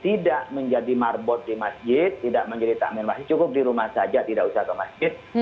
tidak menjadi marbot di masjid tidak menjadi takmir masjid cukup di rumah saja tidak usah ke masjid